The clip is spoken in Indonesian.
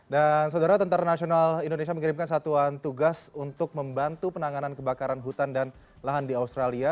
dan saudara tni mengirimkan satuan tugas untuk membantu penanganan kebakaran hutan dan lahan di australia